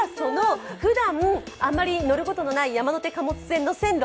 ふだん、あまり乗ることのない山手貨物線の線路